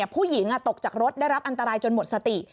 ผู้หญิงตกจากรถได้รับอันตรายจนหมดสติ